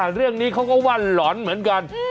เรื่องนี้เขาก็ว่าหลอนเหมือนกัน